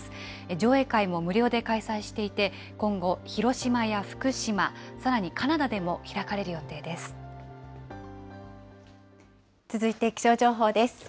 上映会も無料で開催していて、今後、広島や福島、さらにカナダで続いて気象情報です。